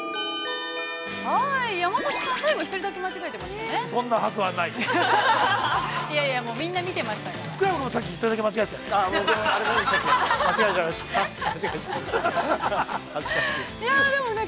◆山里さん、１人だけ間違えてましたね。